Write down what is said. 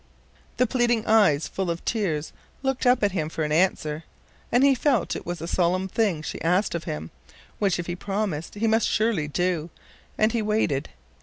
The pleading eyes, full of tears, looked up at him for an answer, and he felt it was a solemn thing she asked of him, which if he promised he must surely do, and he waited.